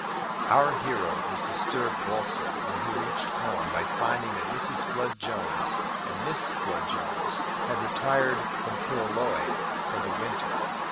Our hero was disturbed also when he reached home by finding that Mrs. Flood Jones and Miss Flood Jones had retired from Killaloe for the winter.